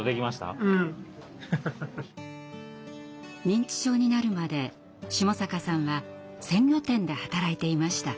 認知症になるまで下坂さんは鮮魚店で働いていました。